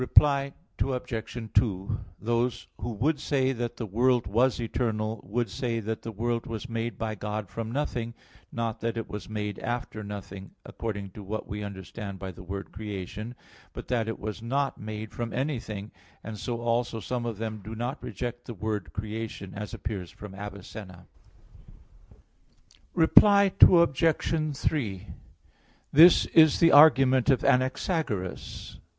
45, A. 2). Reply Obj. 2: Those who would say that the world was eternal, would say that the world was made by God from nothing, not that it was made after nothing, according to what we understand by the word creation, but that it was not made from anything; and so also some of them do not reject the word creation, as appears from Avicenna (Metaph. ix, text 4). Reply Obj. 3: This is the argument of Anaxagoras (as quoted in Phys.